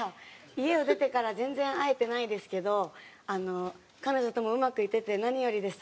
家を出てから全然会えてないですけど彼女ともうまくいってて何よりです。